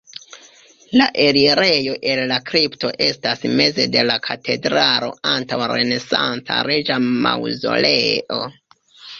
La elirejo el la kripto estas meze de la katedralo antaŭ renesanca reĝa maŭzoleo.